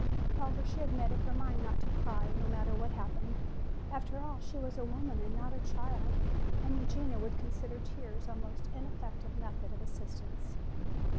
However, she had made up her mind not to cry, no matter what happened. After all, she was a woman and not a child, and Eugenia would consider tears a most ineffective method of assistance.